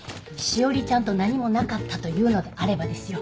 詩織ちゃんと何もなかったというのであればですよ